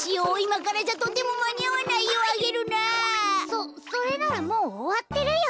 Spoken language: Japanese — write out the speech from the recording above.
そそれならもうおわってるよ。